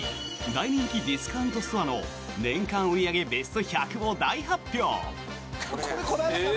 大人気ディスカウントストアの年間売り上げベスト１００を大発表。